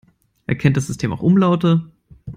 Erkennt das System auch Umlaute?